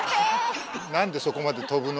なんでそこまで飛ぶの？